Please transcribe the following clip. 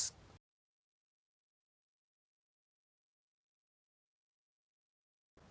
apa yang anda inginkan untuk melakukan